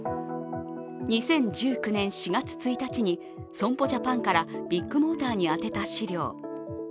２０１９年４月１日に損保ジャパンからビッグモーターに宛てた資料。